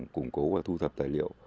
củng cố và thu thập tài liệu